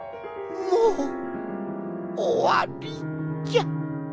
もうおわりじゃ。